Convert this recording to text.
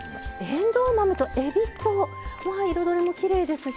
えんどう豆とえびと彩りもきれいですし。